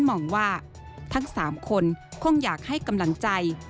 มองว่าทั้ง๓คนคงอยากให้กำลังใจ